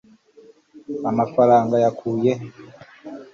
amafaranga yakuye he